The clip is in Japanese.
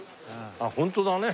あっホントだね。